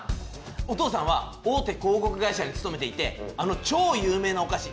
お父さんは大手広告会社に勤めていてあの超有名なおかし。